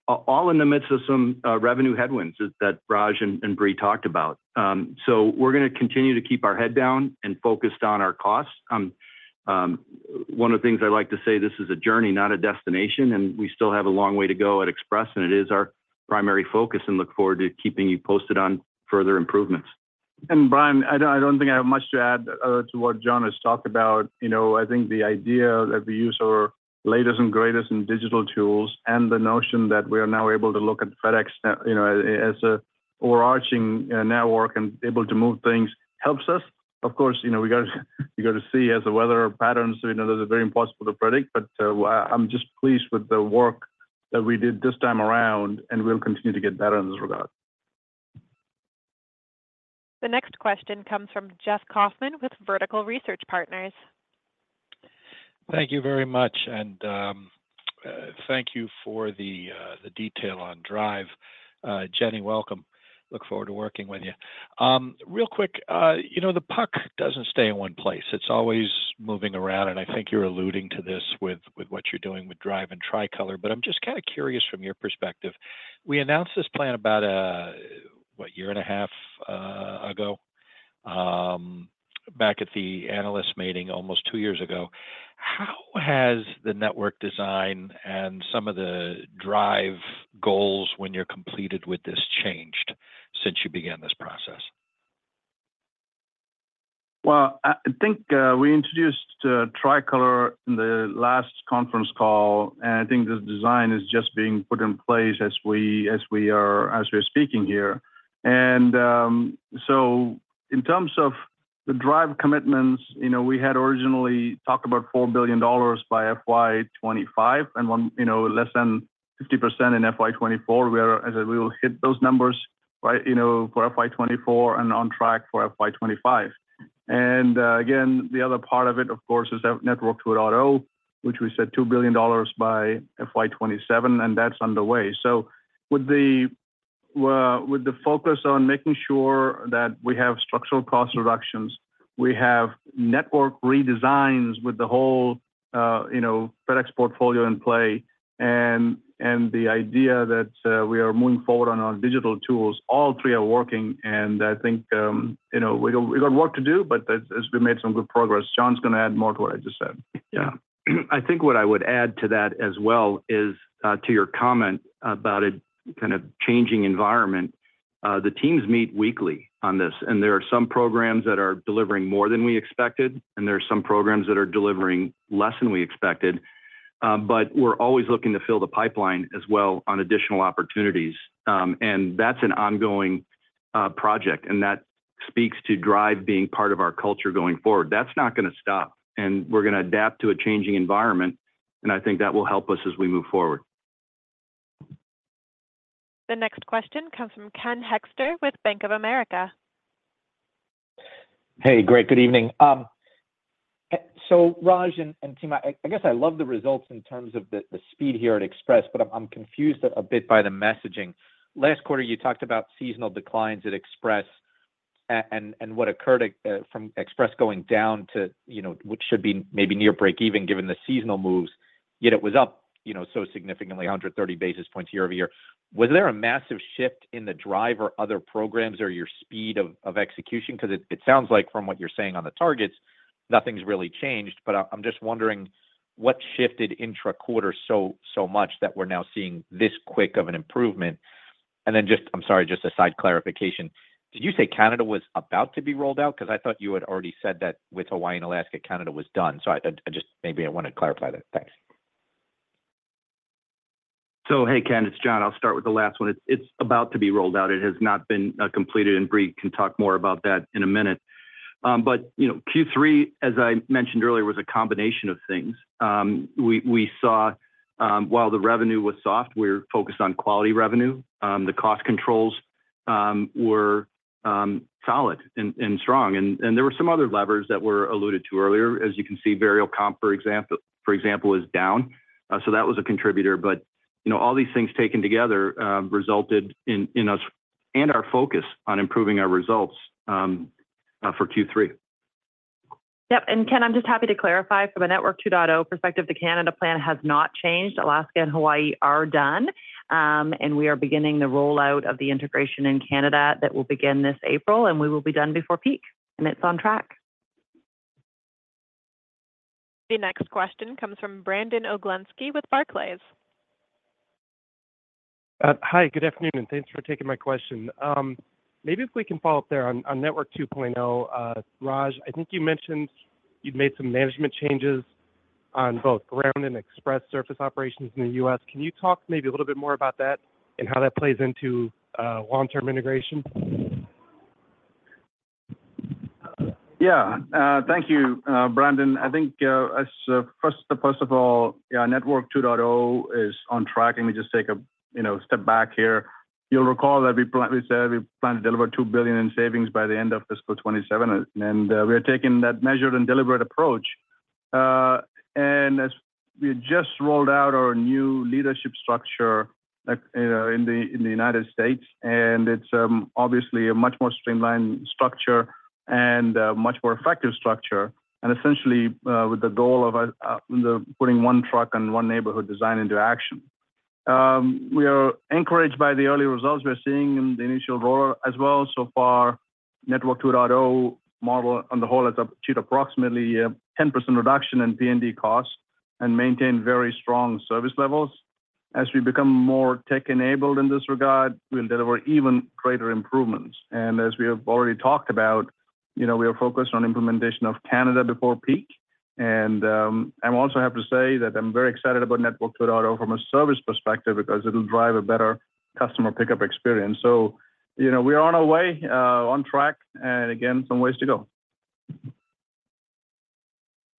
All in the midst of some revenue headwinds that Raj and Brie talked about. So we're gonna continue to keep our head down and focused on our costs. One of the things I like to say: this is a journey not a destination and we still have a long way to go at Express and it is our primary focus and look forward to keeping you posted on further improvements. Brian, I don't think I have much to add to what John has talked about. You know, I think the idea that we use our latest and greatest in digital tools and the notion that we are now able to look at FedEx as a overarching network and able to move things helps us. Of course, you know, we gotta see as the weather patterns, you know, those are very impossible to predict, but I'm just pleased with the work that we did this time around and we'll continue to get better in this regard. The next question comes from Jeff Kauffman with Vertical Research Partners. Thank you very much and thank you for the detail on DRIVE. Jennifer, welcome. Look forward to working with you. Real quick, you know the puck doesn't stay in one place. It's always moving around and I think you're alluding to this with what you're doing with DRIVE and Tricolor. But I'm just kinda curious from your perspective. We announced this plan about a year and a half ago back at the analysts meeting almost two years ago. How has the network design and some of the DRIVE goals when you're completed with this changed since you began this process? Well, I think we introduced Tricolor in the last conference call and I think this design is just being put in place as we are speaking here. And so in terms of the DRIVE commitments you know we had originally talked about $4 billion by FY 2025 and one you know less than 50% in FY 2024 where, as I said, we will hit those numbers right you know for FY 2024 and on track for FY 2025. And again the other part of it of course is Network 2.0 which we set $2 billion by FY 2027 and that's underway. So with the focus on making sure that we have structural cost reductions, we have network redesigns with the whole, you know, FedEx portfolio in play and the idea that we are moving forward on our digital tools. All three are working, and I think, you know, we got work to do, but that's as we made some good progress. John's gonna add more to what I just said. Yeah, I think what I would add to that as well is to your comment about a kind of changing environment. The teams meet weekly on this, and there are some programs that are delivering more than we expected, and there are some programs that are delivering less than we expected. But we're always looking to fill the pipeline as well on additional opportunities. And that's an ongoing project, and that speaks to DRIVE being part of our culture going forward. That's not gonna stop, and we're gonna adapt to a changing environment, and I think that will help us as we move forward. The next question comes from Ken Hoexter with Bank of America. Hey, great. Good evening. Hey, so Raj and team, I guess I love the results in terms of the speed here at Express, but I'm confused a bit by the messaging. Last quarter you talked about seasonal declines at Express and what occurred at Express going down to, you know, which should be maybe near break-even given the seasonal moves, yet it was up, you know, so significantly 100 basis points year-over-year. Was there a massive shift in the DRIVE or other programs or your speed of execution? 'Cause it sounds like from what you're saying on the targets nothing's really changed, but I'm just wondering what shifted intra-quarter so much that we're now seeing this quick of an improvement? And then just, I'm sorry, just a side clarification. Did you say Canada was about to be rolled out? 'Cause I thought you had already said that with Hawaii and Alaska Canada was done. So I just maybe I wanted to clarify that. Thanks. So hey Ken, it's John. I'll start with the last one. It's about to be rolled out. It has not been completed and Brie can talk more about that in a minute. But you know Q3 as I mentioned earlier was a combination of things. We saw while the revenue was soft we were focused on quality revenue. The cost controls were solid and strong. And there were some other levers that were alluded to earlier as you can see variable comp for example is down. So that was a contributor, but you know all these things taken together resulted in us and our focus on improving our results for Q3. Yep, and Ken, I'm just happy to clarify from a Network 2.0 perspective, the Canada plan has not changed. Alaska and Hawaii are done, and we are beginning the rollout of the integration in Canada that will begin this April, and we will be done before peak. And it's on track. The next question comes from Brandon Oglenski with Barclays. Hi, good afternoon, and thanks for taking my question. Maybe if we can follow up there on Network 2.0, Raj. I think you mentioned you'd made some management changes on both Ground and Express surface operations in the U.S. Can you talk maybe a little bit more about that and how that plays into long-term integration? Yeah, thank you, Brandon. I think, first of all, yeah, Network 2.0 is on track. Let me just take a, you know, step back here. You'll recall that we plan—we said we plan to deliver $2 billion in savings by the end of fiscal 2027, and we are taking that measured and deliberate approach. And as we just rolled out our new leadership structure, like, you know, in the United States, and it's obviously a much more streamlined structure and much more effective structure and essentially with the goal of putting one truck and one neighborhood design into action, we are encouraged by the early results we're seeing in the initial rollout as well. So far, Network 2.0 model on the whole has achieved approximately a 10% reduction in P&D costs and maintained very strong service levels. As we become more tech-enabled in this regard we'll deliver even greater improvements. And as we have already talked about you know we are focused on implementation in Canada before peak. And I'm also happy to say that I'm very excited about Network 2.0 from a service perspective because it'll drive a better customer pickup experience. So you know we are on our way on track and again some ways to go.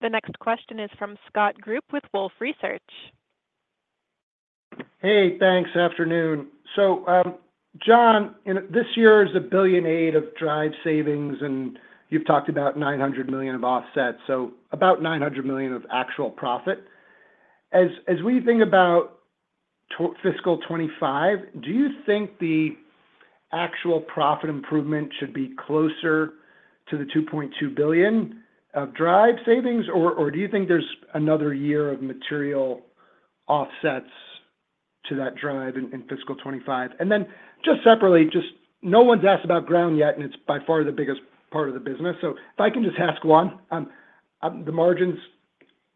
The next question is from Scott Group with Wolfe Research. Hey, thanks. Afternoon. So John, you know, this year is a billion in drive savings and you've talked about $900 million of offset, so about $900 million of actual profit. As we think about the fiscal 2025, do you think the actual profit improvement should be closer to the $2.2 billion of drive savings or do you think there's another year of material offsets to that drive in fiscal 2025? And then just separately, just no one's asked about ground yet and it's by far the biggest part of the business. So if I can just ask, one, the margins,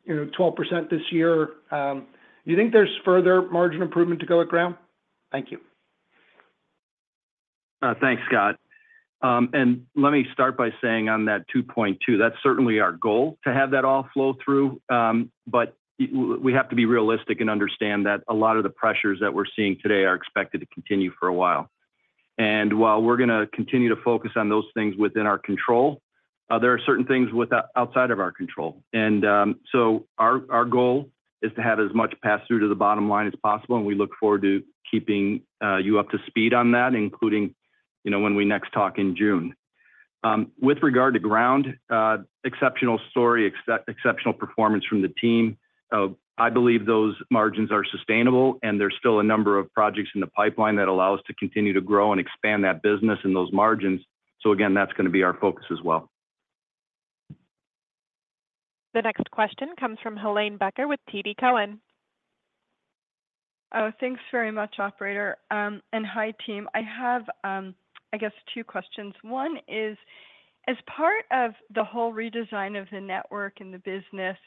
you know, 12% this year, do you think there's further margin improvement to go at ground? Thank you. Thanks, Scott. And let me start by saying on that 2.2, that's certainly our goal to have that all flow through. But we have to be realistic and understand that a lot of the pressures that we're seeing today are expected to continue for a while. And while we're gonna continue to focus on those things within our control, there are certain things that are outside of our control. And so our goal is to have as much pass-through to the bottom line as possible, and we look forward to keeping you up to speed on that, including, you know, when we next talk in June. With regard to Ground, exceptional story, exceptional performance from the team. I believe those margins are sustainable, and there's still a number of projects in the pipeline that allow us to continue to grow and expand that business and those margins. Again that's gonna be our focus as well. The next question comes from Helane Becker with TD Cowen. Oh, thanks very much, operator. And hi, team. I have, I guess, two questions. One is, as part of the whole redesign of the network and the business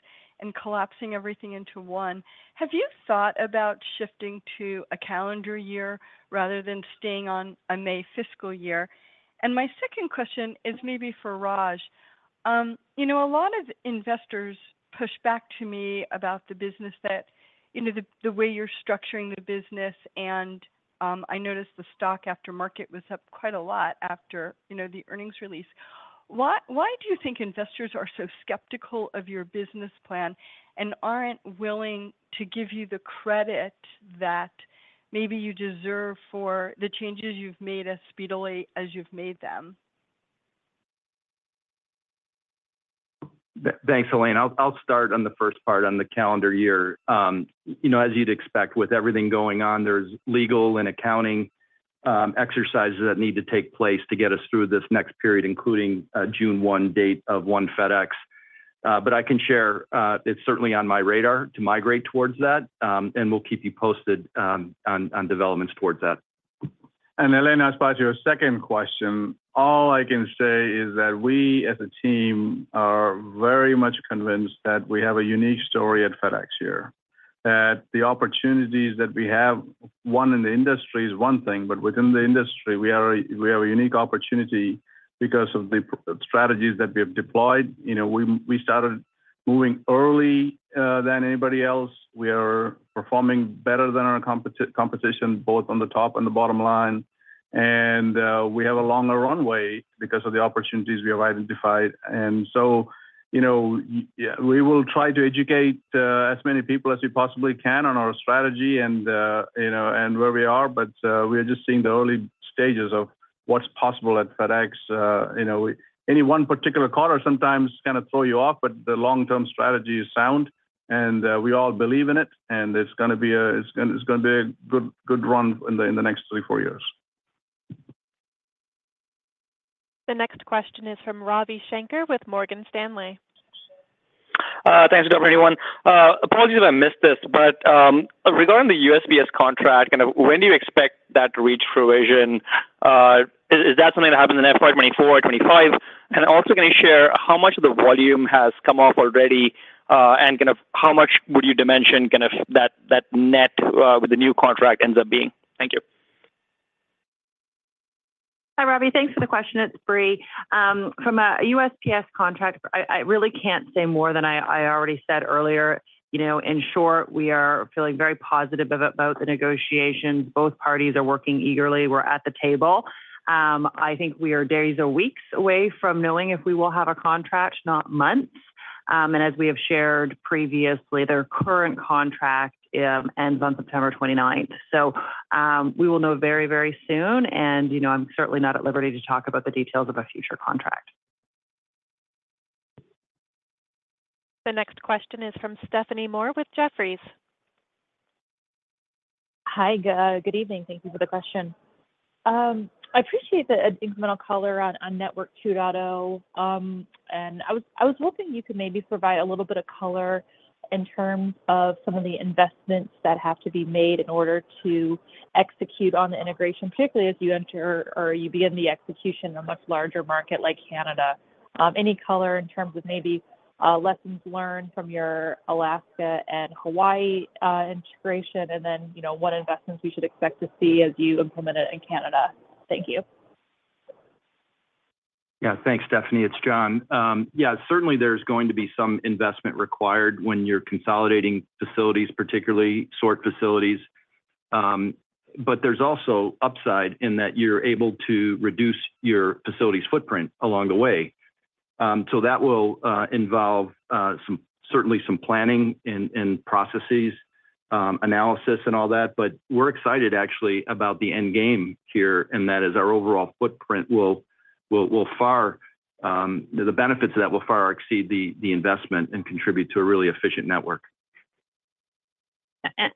and collapsing everything into one, have you thought about shifting to a calendar year rather than staying on a May fiscal year? And my second question is maybe for Raj. You know, a lot of investors push back to me about the business that, you know, the way you're structuring the business, and I noticed the stock after market was up quite a lot after, you know, the earnings release. Why do you think investors are so skeptical of your business plan and aren't willing to give you the credit that maybe you deserve for the changes you've made as speedily as you've made them? Thanks Helane. I'll start on the first part on the calendar year. You know as you'd expect with everything going on there's legal and accounting exercises that need to take place to get us through this next period including June 1 date of One FedEx. But I can share it's certainly on my radar to migrate towards that and we'll keep you posted on developments towards that. Helane, as far as your second question, all I can say is that we as a team are very much convinced that we have a unique story at FedEx here. That the opportunities that we have, one in the industry is one thing but within the industry we have a unique opportunity because of the strategies that we have deployed. You know, we started moving early than anybody else. We are performing better than our competition both on the top and the bottom line. And so you know yeah we will try to educate as many people as we possibly can on our strategy and you know and where we are but we are just seeing the early stages of what's possible at FedEx. You know, any one particular caller sometimes kinda throws you off, but the long-term strategy is sound and we all believe in it and it's gonna be a good run in the next 3-4 years. The next question is from Ravi Shanker with Morgan Stanley. Thanks, everyone. Apologies if I missed this, but regarding the USPS contract, kind of, when do you expect that to reach fruition? Is that something that happens in FY 2024-2025? And also, can you share how much of the volume has come off already and kind of how much would you dimension kind of that net with the new contract ends up being? Thank you. Hi, Ravi. Thanks for the question. It's Brie. From a USPS contract, I really can't say more than I already said earlier. You know, in short, we are feeling very positive about the negotiations. Both parties are working eagerly. We're at the table. I think we are days or weeks away from knowing if we will have a contract, not months. And as we have shared previously, their current contract ends on September twenty-ninth. So we will know very very soon, and you know, I'm certainly not at liberty to talk about the details of a future contract. The next question is from Stephanie Moore with Jefferies. Hi, good evening, thank you for the question. I appreciate the additional color on Network 2.0. And I was hoping you could maybe provide a little bit of color in terms of some of the investments that have to be made in order to execute on the integration, particularly as you enter or you begin the execution in a much larger market like Canada. Any color in terms of maybe lessons learned from your Alaska and Hawaii integration and then you know what investments we should expect to see as you implement it in Canada. Thank you. Yeah, thanks, Stephanie. It's John. Yeah, certainly there's going to be some investment required when you're consolidating facilities, particularly sort facilities. But there's also upside in that you're able to reduce your facility's footprint along the way. So that will involve certainly some planning in process analysis and all that. But we're excited, actually, about the end game here, and that is our overall footprint. The benefits of that will far exceed the investment and contribute to a really efficient network.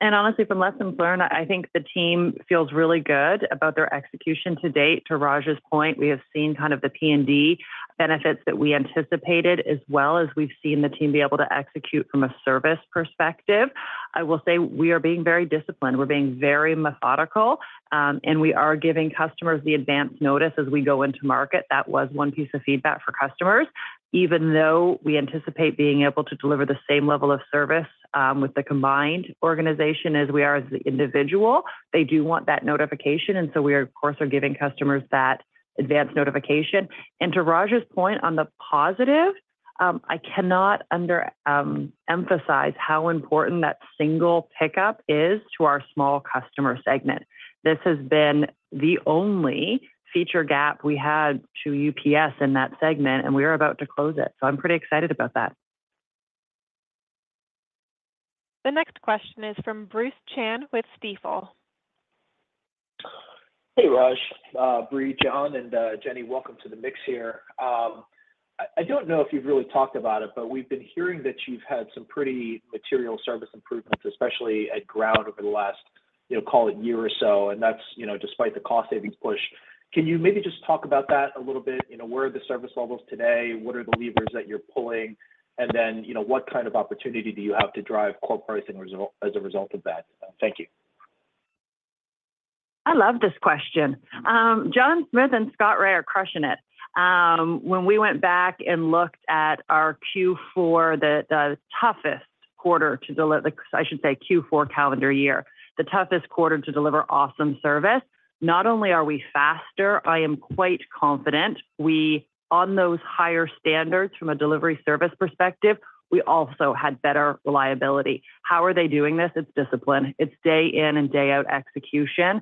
And honestly from lessons learned, I think the team feels really good about their execution to date. To Raj's point, we have seen kind of the P&D benefits that we anticipated as well as we've seen the team be able to execute from a service perspective. I will say we are being very disciplined. We're being very methodical, and we are giving customers the advance notice as we go into market. That was one piece of feedback for customers. Even though we anticipate being able to deliver the same level of service with the combined organization as we are as the individual, they do want that notification and so we are of course giving customers that advance notification. And to Raj's point on the positive, I cannot overemphasize how important that single pickup is to our small customer segment. This has been the only feature gap we had to UPS in that segment and we are about to close it. So I'm pretty excited about that. The next question is from Bruce Chan with Stifel. Hey, Raj, Brie, John, and Jennifer, welcome to the mic here. I don't know if you've really talked about it, but we've been hearing that you've had some pretty material service improvements, especially at Ground, over the last, you know, call it year or so, and that's, you know, despite the cost savings push. Can you maybe just talk about that a little bit? You know, where are the service levels today? What are the levers that you're pulling? And then, you know, what kind of opportunity do you have to drive core pricing resolution as a result of that? Thank you. I love this question. John Smith and Scott Ray are crushing it. When we went back and looked at our Q4, the toughest quarter to deliver the CI, I should say, Q4 calendar year. The toughest quarter to deliver awesome service. Not only are we faster, I am quite confident we on those higher standards from a delivery service perspective, we also had better reliability. How are they doing this? It's discipline. It's day in and day out execution.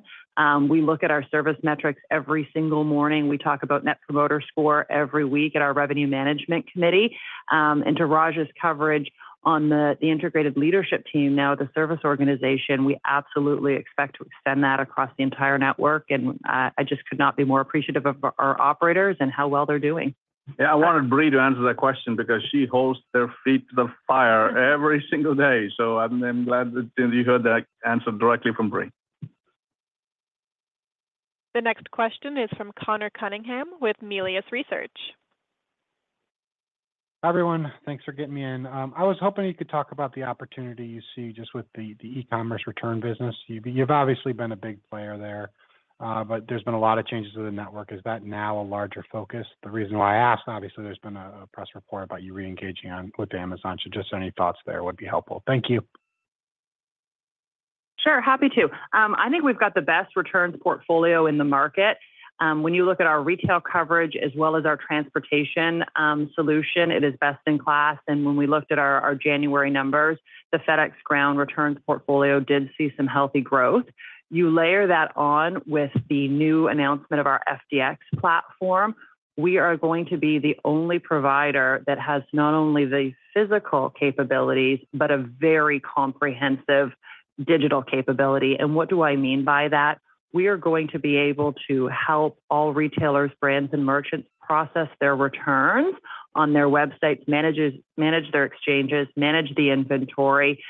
We look at our service metrics every single morning. We talk about Net Promoter Score every week at our revenue management committee. And to Raj's coverage on the integrated leadership team, now the service organization, we absolutely expect to extend that across the entire network, and I just could not be more appreciative of our operators and how well they're doing. Yeah, I wanted Brie to answer that question because she holds their feet to the fire every single day. So I'm glad that you heard that answer directly from Brie. The next question is from Conor Cunningham with Melius Research. Hi everyone, thanks for getting me in. I was hoping you could talk about the opportunity you see just with the e-commerce return business. You've obviously been a big player there, but there's been a lot of changes to the network. Is that now a larger focus? The reason why I asked, obviously there's been a press report about you re-engaging with Amazon, so just any thoughts there would be helpful. Thank you. Sure, happy to. I think we've got the best returns portfolio in the market. When you look at our retail coverage as well as our transportation solution, it is best in class. And when we looked at our our January numbers, the FedEx Ground returns portfolio did see some healthy growth. You layer that on with the new announcement of our FDX platform, we are going to be the only provider that has not only the physical capabilities but a very comprehensive digital capability. And what do I mean by that? We are going to be able to help all retailers, brands and merchants process their returns on their websites, manage their exchanges, manage the inventory,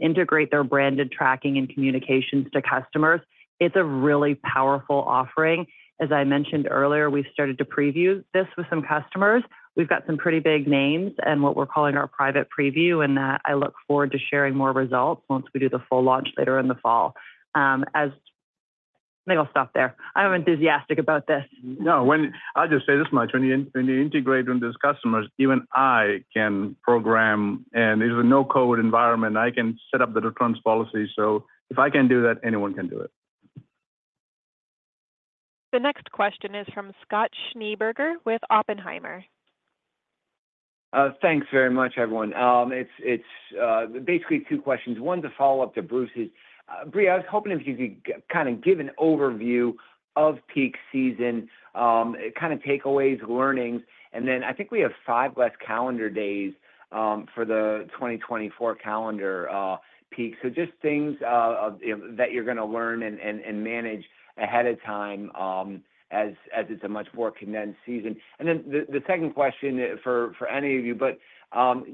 integrate their branded tracking and communications to customers. It's a really powerful offering. As I mentioned earlier, we've started to preview this with some customers. We've got some pretty big names and what we're calling our private preview and that I look forward to sharing more results once we do the full launch later in the fall. As I think I'll stop there. I'm enthusiastic about this. No, when I'll just say this much: when you integrate with these customers, even I can program, and it's a no-code environment. I can set up the returns policy, so if I can do that, anyone can do it. The next question is from Scott Schneeberger with Oppenheimer. Thanks very much, everyone. It's basically two questions. One's a follow-up to Bruce's. Brie, I was hoping if you could kinda give an overview of peak season kinda takeaways learnings and then I think we have 5 less calendar days for the 2024 calendar peak. So just things of you know that you're gonna learn and manage ahead of time as it's a much more condensed season. And then the second question I for any of you but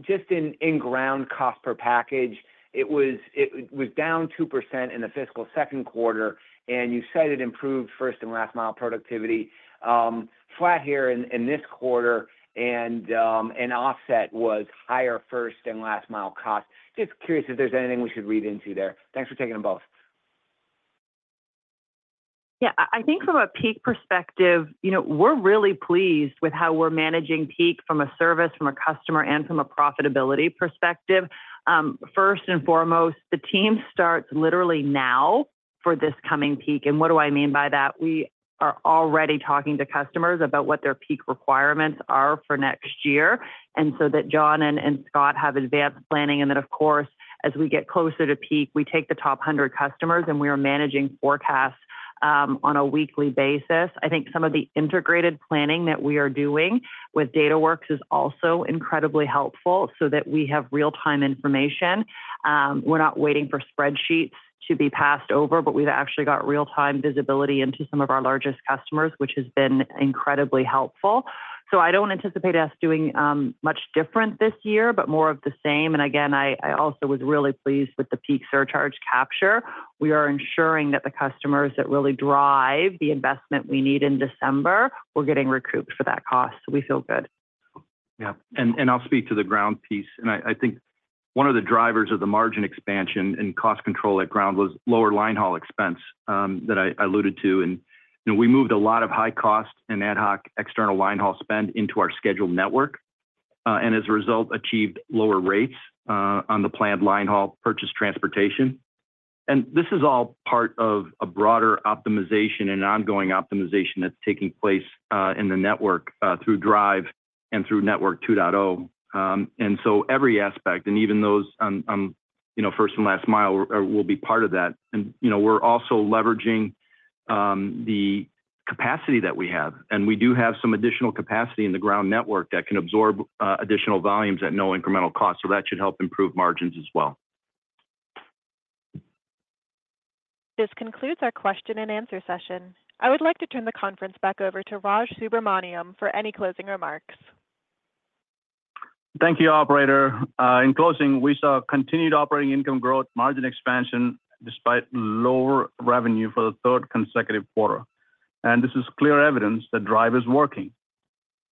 just in ground cost per package it was down 2% in the fiscal second quarter and you cited improved first and last mile productivity. Flat here in this quarter and an offset was higher first and last mile cost. Just curious if there's anything we should read into there. Thanks for taking them both. Yeah, I think from a peak perspective, you know, we're really pleased with how we're managing peak from a service, from a customer, and from a profitability perspective. First and foremost, the team starts literally now for this coming peak. What do I mean by that? We are already talking to customers about what their peak requirements are for next year so that John and Scott have advanced planning. Then of course as we get closer to peak we take the top 100 customers and we are managing forecasts on a weekly basis. I think some of the integrated planning that we are doing with Dataworks is also incredibly helpful so that we have real-time information. We're not waiting for spreadsheets to be passed over but we've actually got real-time visibility into some of our largest customers which has been incredibly helpful. So I don't anticipate us doing much different this year, but more of the same. Again, I also was really pleased with the peak surcharge capture. We are ensuring that the customers that really drive the investment we need in December, we're getting recouped for that cost, so we feel good. Yep, and I'll speak to the ground piece. I think one of the drivers of the margin expansion and cost control at Ground was lower line haul expense that I alluded to. You know, we moved a lot of high-cost and ad hoc external line haul spend into our scheduled network, and as a result achieved lower rates on the planned line haul purchased transportation. This is all part of a broader optimization and an ongoing optimization that's taking place in the network through DRIVE and through Network 2.0. So every aspect, and even those on, you know, first and last mile, will be part of that. You know, we're also leveraging the capacity that we have. We do have some additional capacity in the ground network that can absorb additional volumes at no incremental cost so that should help improve margins as well. This concludes our question and answer session. I would like to turn the conference back over to Raj Subramaniam for any closing remarks. Thank you, operator. In closing, we saw continued operating income growth, margin expansion despite lower revenue for the third consecutive quarter. This is clear evidence that Drive is working.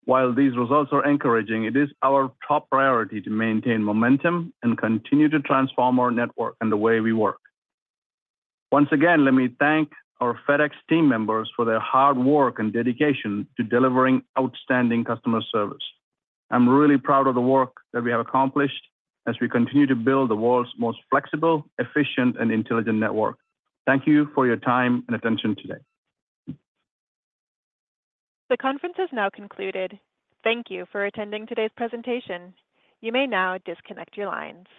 While these results are encouraging, it is our top priority to maintain momentum and continue to transform our network and the way we work. Once again, let me thank our FedEx team members for their hard work and dedication to delivering outstanding customer service. I'm really proud of the work that we have accomplished as we continue to build the world's most flexible, efficient, and intelligent network. Thank you for your time and attention today. The conference has now concluded. Thank you for attending today's presentation. You may now disconnect your lines.